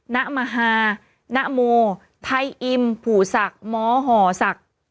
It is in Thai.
ณมหานโมไทยอิมผูศักดิ์มห่อศักดิ์